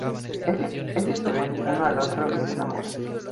Ellos se ven uno al otro y se enamoran.